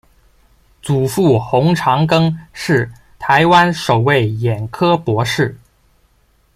祖父洪长庚是台湾首位眼科博士。